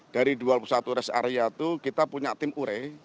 dari dua puluh satu rest area itu kita punya tim ure